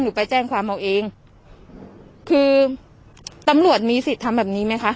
ไปแจ้งความเอาเองคือตำรวจมีสิทธิ์ทำแบบนี้ไหมคะ